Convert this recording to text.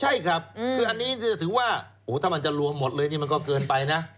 ใช่ครับคืออันนี้ถือว่าถ้ามันจะรวมหมดเลยนี่มันก็เกินไปนะ